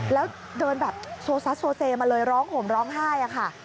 แล้วเดินแบบโซซัสโซเซมาเลยร้องห่มร้องไห้ค่ะ